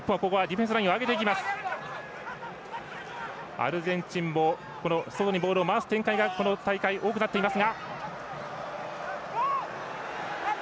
アルゼンチンもボールを回す展開がこの大会、多くなっています。